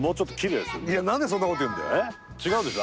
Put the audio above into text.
いや何でそんなこと言うんだよ。